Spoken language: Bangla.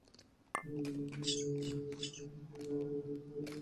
এদিকে কিছুদিন আগে প্রকাশিত হয়েছে কুমার বিশ্বজিতের গাওয়া দ্বৈত গানের অ্যালবাম সারাংশে তুমি।